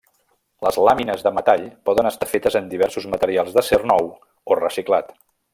Les làmines de metall poden estar fetes amb diversos materials d'acer nou o reciclat.